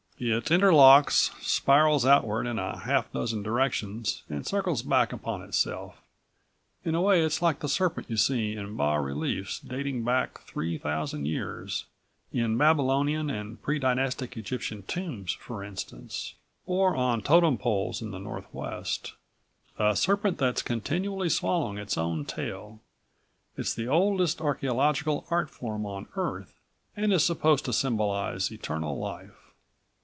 It interlocks, spirals outward in a half dozen directions and circles back upon itself. In a way, it's like the serpent you see in bas reliefs dating back three thousand years, in Babylonian and Pre Dynastic Egyptian tombs, for instance, or on totem poles in the Northwest ... a serpent that's continually swallowing its own tail. It's the oldest archeological art form on Earth and is supposed to symbolize Eternal Life.